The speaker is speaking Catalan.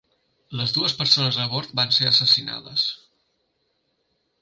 Les dues persones a bord van ser assassinades.